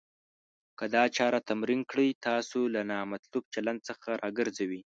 که دا چاره تمرین کړئ. تاسو له نامطلوب چلند څخه راګرځوي.